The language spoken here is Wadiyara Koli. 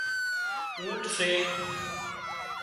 اُونٽ سي